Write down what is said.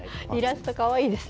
かわいいですね。